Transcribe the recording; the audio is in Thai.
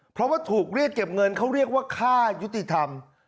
เพราะว่าถูกเรียกเก็บเงินเขาเรียกว่าค่ายุติธรรม